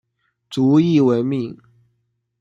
卒谥文敏。